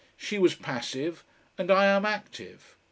She was passive, and I am active.